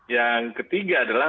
yang ketiga adalah